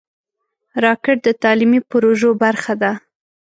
راکټ د تعلیمي پروژو برخه ده